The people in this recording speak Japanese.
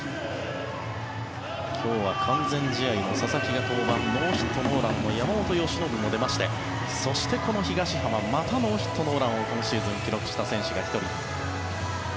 今日は完全試合の佐々木が登板ノーヒット・ノーランの山本由伸も出ましてそして、この東浜またノーヒット・ノーランを記録した選手が１人。